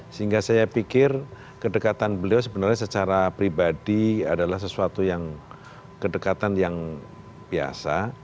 sehingga saya pikir kedekatan beliau sebenarnya secara pribadi adalah sesuatu yang kedekatan yang biasa